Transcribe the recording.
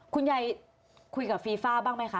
คุณยายคุยกับฟีฟ่าบ้างไหมคะ